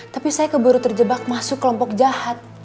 tapi saya keburu terjebak masuk kelompok jahat